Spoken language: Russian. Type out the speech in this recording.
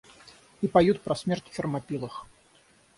И поют про смерть в Фермопилах.